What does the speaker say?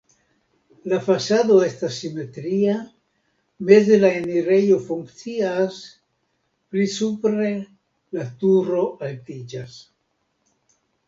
La fasado estas simetria, meze la enirejo funkcias, pli supre la turo altiĝas.